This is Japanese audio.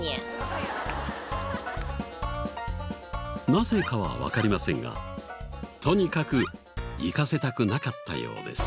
なぜかはわかりませんがとにかく行かせたくなかったようです。